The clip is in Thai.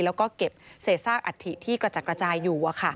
แล้วก็เก็บเศษซากอัฐิที่กระจัดกระจายอยู่